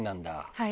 はい。